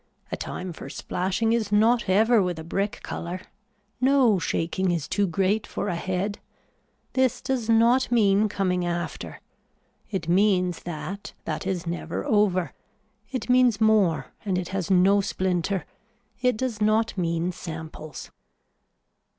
A time for splashing is not ever with a brick color. No shaking is too great for a head. This does not mean coming after. It means that that is never over. It means more and it has no splinter, it does not mean samples.